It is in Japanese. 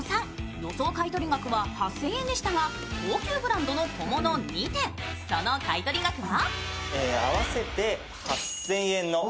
予想買取額は８０００円でしたが高級ブランドの小物２点その買取額は？